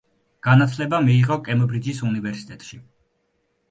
განათლება მიიღო კემბრიჯის უნივერსიტეტში.